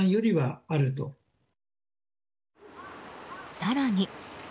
更に。